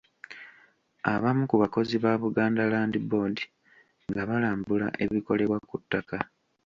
Abamu ku bakozi ba Buganda Land Board nga balambula ebikolebwa ku ttaka.